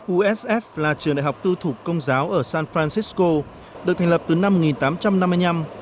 ussf là trường đại học tư thục công giáo ở san francisco được thành lập từ năm một nghìn tám trăm năm mươi năm